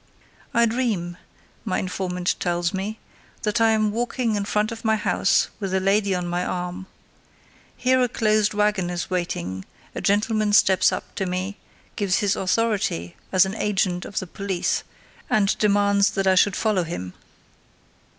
"I dream," my informant tells me, "_that I am walking in front of my house with a lady on my arm. Here a closed wagon is waiting, a gentleman steps up to me, gives his authority as an agent of the police, and demands that I should follow him.